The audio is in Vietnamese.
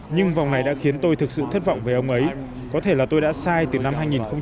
nhưng vòng này đã khiến tôi thực sự thất vọng về ông ấy có thể là tôi đã sai từ năm hai nghìn một mươi